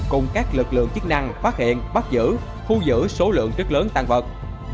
cùng các lực lượng chức năng phát hiện bắt giữ thu giữ số lượng rất lớn tàn vật